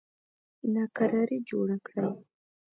ناکراري جوړه کړي.